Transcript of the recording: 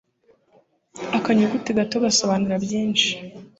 akanyuguti gato gasobanura byinshi